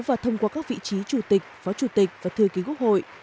và thông qua các vị trí chủ tịch phó chủ tịch và thư ký quốc hội